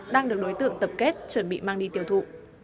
đang được đối tượng tập kết chuẩn bị mang đi tiêu thụ